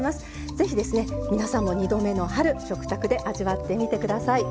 ぜひ皆さんも「２度目の春」食卓で味わってみてください。